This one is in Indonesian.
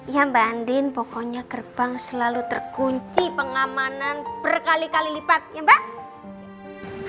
ya mbak andin pokoknya gerbang selalu terkunci pengamanan berkali kali lipat ya mbak